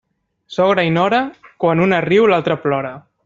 Sogra i nora, quan una riu l'altra plora.